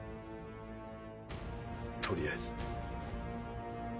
取りあえず。